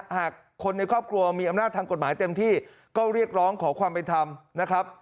หากคนในครอบครัวมีอำนาจทางกฎหมายเต็มที่ก็เรียกร้องขอความเป็นธรรมนะครับ